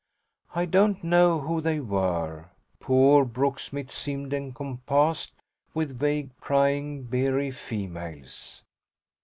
I don't know who they were; poor Brooksmith seemed encompassed with vague prying beery females.